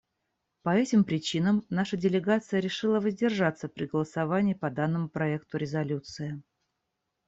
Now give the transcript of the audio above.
По этим причинам наша делегация решила воздержаться при голосовании по данному проекту резолюции.